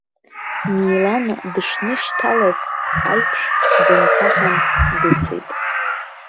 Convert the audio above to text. Милана дышнышьҭалаз аиԥш дынҭаҳан дыцәеит.